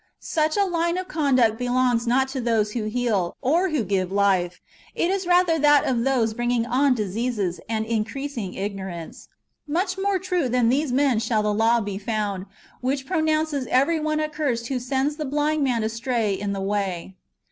Such [a line of conduct] belongs not to those who heal, or who give life : it is rather that of those bringing on dis eases, and increasing ignorance ; and much more true than these men shall the law be found, which pronounces every one accursed who sends the blind man astray in the way.